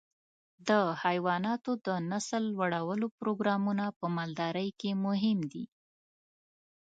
د حيواناتو د نسل لوړولو پروګرامونه په مالدارۍ کې مهم دي.